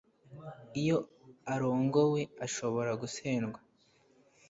iyo arongowe, ashobora gusendwa